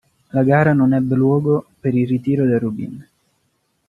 La gara non ebbe luogo per il ritiro del Rubin.